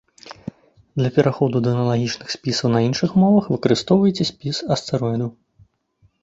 Для пераходу да аналагічных спісаў на іншых мовах выкарыстоўвайце спіс астэроідаў.